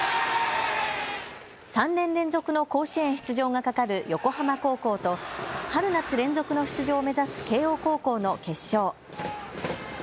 ３年連続の甲子園出場がかかる横浜高校と春夏連続の出場を目指す慶応高校の決勝。